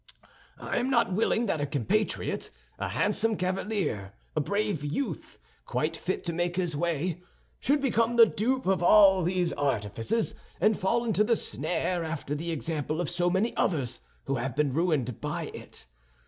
I am not willing that a compatriot, a handsome cavalier, a brave youth, quite fit to make his way, should become the dupe of all these artifices and fall into the snare after the example of so many others who have been ruined by it.